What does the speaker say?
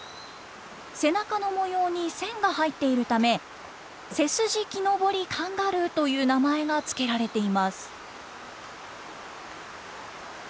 背中の模様に線が入っているためセスジキノボリカンガルーという名前が付けられています。